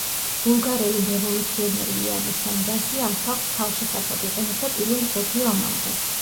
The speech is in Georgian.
ბულგარელი რევოლუციონერი იანე სანდანსკი ამ სახლს თავშესაფრად იყენებდა პირველ მსოფლიო ომამდე.